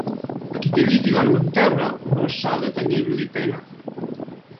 A qui té llit i dorm en terra, no s'ha de tenir-li pena.